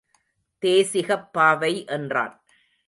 தேசிகப் பாவை என்றான்.